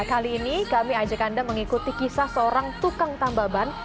kali ini kami ajak anda mengikuti kisah seorang tukang tambaban